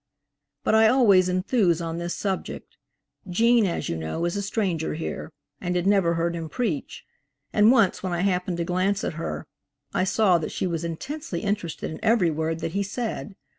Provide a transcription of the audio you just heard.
But I always enthuse on this subject. Gene, as you know, is a stranger here, and had never heard him preach; and once, when I happened to glance at her, I saw that she was intensely interested in every word that he said.